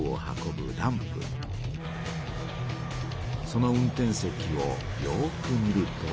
その運転席をよく見ると。